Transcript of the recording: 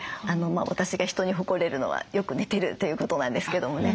私が人に誇れるのはよく寝てるということなんですけどもね。